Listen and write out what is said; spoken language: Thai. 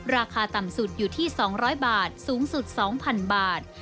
ราคาต่ำสุดอยู่ที่๒๐๐บาทสูงสุด๒๐๐๐บาท